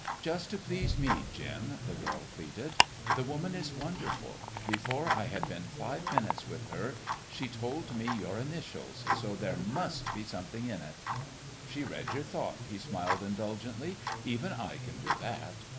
"Just to please me, Jim," the girl pleaded. "The woman is wonderful. Before I had been five minutes with her she told me your initials, so there must be something in it." "She read your thought," he smiled indulgently. "Even I can do that!"